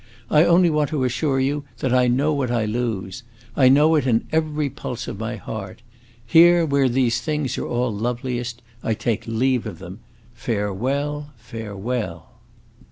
I only want to assure you that I know what I lose. I know it in every pulse of my heart! Here, where these things are all loveliest, I take leave of them. Farewell, farewell!"